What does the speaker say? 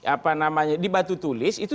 apa namanya di batu tulis itu